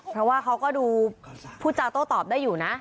เพราะว่าเขาก็ดูพูดจาโต้ตอบได้อยู่นะ